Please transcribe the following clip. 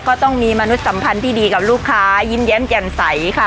ก็ต้องมีมนุษย์สัมพันธ์ที่ดีกับลูกค้ายิ้มแย้มแจ่มใสค่ะ